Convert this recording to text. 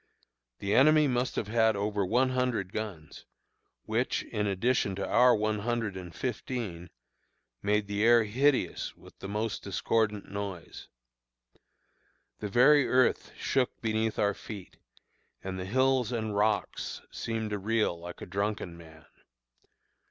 The enemy must have had over one hundred guns, which, in addition to our one hundred and fifteen, made the air hideous with most discordant noise. The very earth shook beneath our feet, and the hills and rocks seemed to reel like a drunken man.